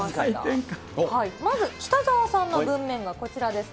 まず北澤さんの文面がこちらです。